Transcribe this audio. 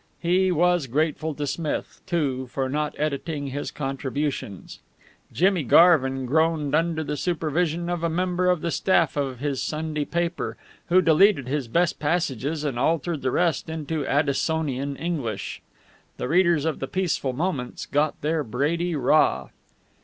He was grateful to Smith, too, for not editing his contributions. Jimmy Garvin groaned under the supervision of a member of the staff of his Sunday paper, who deleted his best passages and altered the rest into Addisonian English. The readers of Peaceful Moments got their Brady raw.